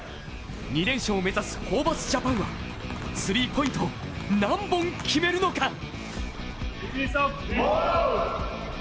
２連勝を目指すホーバスジャパンはスリーポイントを何本決めるのか。